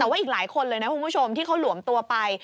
แต่ว่าอีกหลายคนเลยที่เขาหลวมตัวไป